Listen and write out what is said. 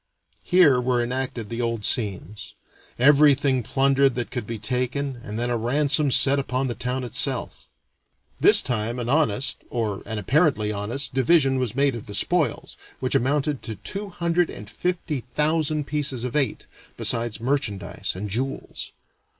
Here were enacted the old scenes. Everything plundered that could be taken, and then a ransom set upon the town itself. This time an honest, or an apparently honest, division was made of the spoils, which amounted to two hundred and fifty thousand pieces of eight, besides merchandise and jewels.